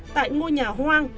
tại ngôi nhà hoang